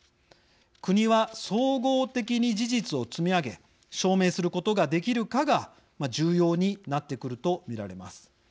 国は総合的に事実を積み上げ証明することができるかが重要になってくると見られます。